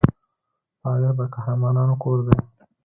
تاریخ د قهرمانانو کور دی.